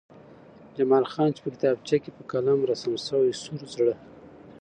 جمال خان چې په کتابچه کې په قلم رسم شوی سور زړه